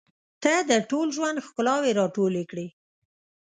• ته د ټول ژوند ښکلاوې راټولې کړې.